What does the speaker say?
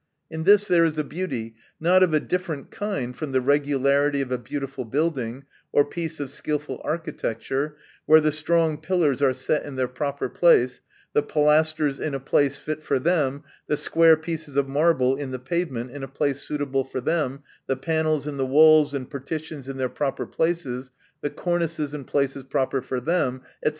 In this there is a beauty, not of a different kind from the regularity of a beautiful building, or piece of skilful arcl'tecture, where the strong pillars are set in their proper place, the pilasters in a place fit for them, the square pieces of marble in the pavement, in a place suitable for them, the panels in the walls and partitions in their proper places, the cornices in places proper for them, &c.